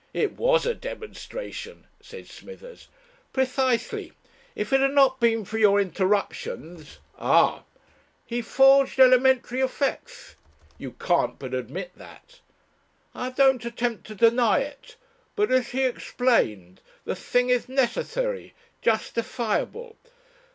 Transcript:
"It was a demonstration," said Smithers. "Precisely. If it had not been for your interruptions ..." "Ah!" "He forged elementary effects ..." "You can't but admit that." "I don't attempt to deny it. But, as he explained, the thing is necessary justifiable.